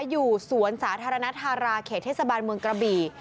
อยู่สวนสาธารณธาราเขตเทศบาลเมืองกระบี่